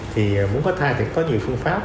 thì muốn có thai thì có nhiều phương pháp